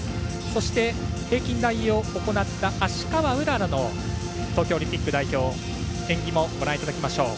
そして平均台を行った芦川うららの東京オリンピック代表演技もご覧いただきましょう。